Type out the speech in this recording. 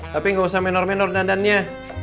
tapi gak usah menor menor dandannya